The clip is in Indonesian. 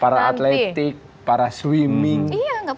para atletik para swimming